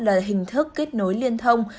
là hình thức kết nối liên thông